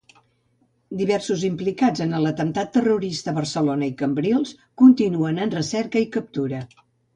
Diversos implicats en l'atemptat terrorista a Barcelona i Cambrils continuen en recerca i captura.